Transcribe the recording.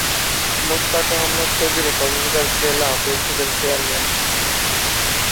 মোস্তাক আহমদ চৌধুরী কক্সবাজার জেলা পরিষদের চেয়ারম্যান।